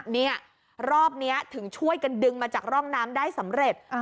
เนี่ยรอบนี้ถึงช่วยกันดึงมาจากร่องน้ำได้สำเร็จ